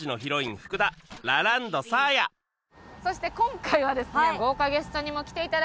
そして今回はですねどうぞ！